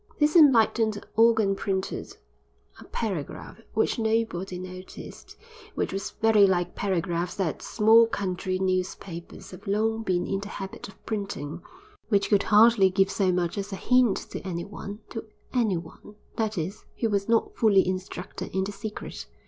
This enlightened organ printed a paragraph, which nobody noticed, which was very like paragraphs that small country newspapers have long been in the habit of printing, which could hardly give so much as a hint to any one—to any one, that is, who was not fully instructed in the secret.